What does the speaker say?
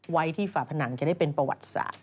ไว้ที่ฝาผนังจะได้เป็นประวัติศาสต